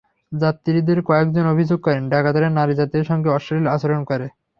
যাত্রীদের কয়েকজন অভিযোগ করেন, ডাকাতেরা নারী যাত্রীদের সঙ্গে অশ্লীল আচরণ করে।